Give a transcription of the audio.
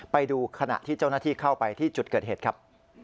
ไปดูขณะที่เจ้าหน้าที่เข้าไปที่จุดเกิดเหตุครับ